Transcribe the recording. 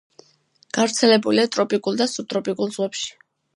გავრცელებულია ტროპიკულ და სუბტროპიკულ ზღვებში.